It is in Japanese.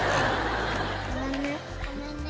ごめんね。